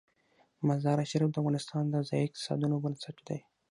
مزارشریف د افغانستان د ځایي اقتصادونو بنسټ دی.